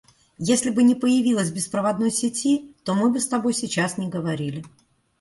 Если бы не появилось беспроводной сети, то мы бы с тобой сейчас не говорили.